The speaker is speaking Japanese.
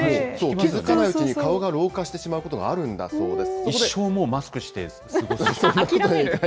気付かないうちに、顔が老化してしまうことがあるんだそうです。